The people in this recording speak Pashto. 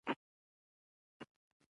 او انسان به ووايي چې پر دې څه شوي دي؟